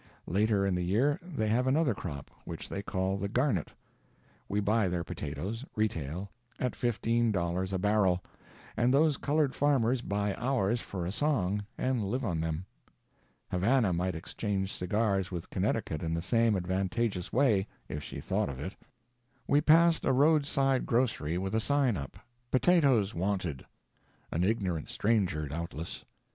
Later in the year they have another crop, which they call the Garnet. We buy their potatoes (retail) at fifteen dollars a barrel; and those colored farmers buy ours for a song, and live on them. Havana might exchange cigars with Connecticut in the same advantageous way, if she thought of it. We passed a roadside grocery with a sign up, "Potatoes Wanted." An ignorant stranger, doubtless.